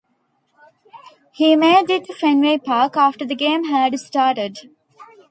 He made it to Fenway Park after the game had started.